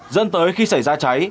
dân tới khi xảy ra cháy